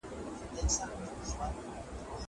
زه به اوږده موده پاکوالي ساتلي وم!